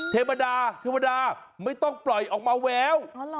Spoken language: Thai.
เทวดาเทวดาไม่ต้องปล่อยออกมาแวว